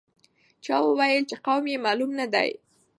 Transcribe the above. چا وویل چې قوم یې معلوم نه دی.